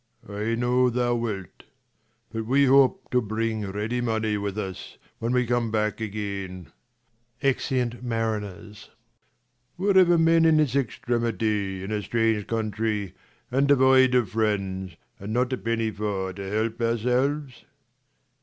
I know thou wilt; but we hope to bring ready money 45 With us, when we come back again. \_Exeunt manners. I Were ever men in this extremity, I In a strange country, and devoid of friends, f And not a penny for to help ourselves